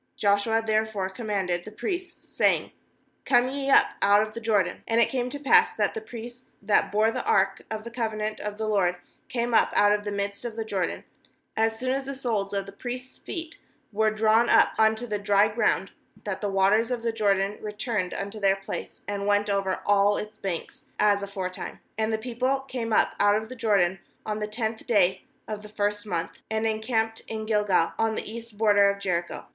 7Joshua therefore commanded the priests, saying: 'Come ye up out of 264 JOSHUA 5.12 the Jordan/ 18And it came to pass, as the priests that bore the ark of the covenant of the LORD came up out of the midst of the Jordan, as soon as the soles of the priests' feet were drawn up unto the dry ground, that the waters of the Jordan returned unto their place, and went over all its banks, as aforetime. 19And the people came up out of the Jordan on the tenth day of the first month, and encamped in Gilgal, on the east border of Jericho.